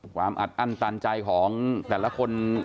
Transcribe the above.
ความอัดอันตาลใจของแต่ละคน